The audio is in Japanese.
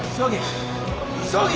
急げ！